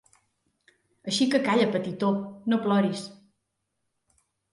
Així que calla, petitó, no ploris.